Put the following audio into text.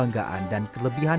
adalah waktu yang setinggi ke shaun